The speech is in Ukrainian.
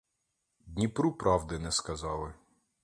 Дніпру правди не сказали.